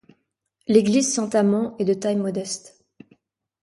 L'église Saint-Amans est de taille modeste.